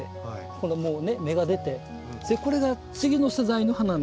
ここのもうね芽が出てこれが次の世代の花になっていくんです。